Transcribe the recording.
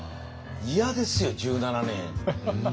嫌ですよ１７年。